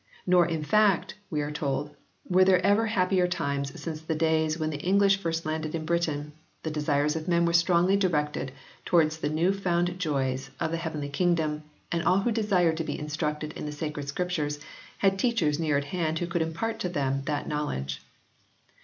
"Nor in fact," we are told, "were there ever happier times since the days when the English first landed in Britain... the desires of men were strongly directed towards the new found joys of the heavenly kingdom ; and all who desired to be instructed in the sacred Scriptures had teachers near at hand who could impart to them that know ledge."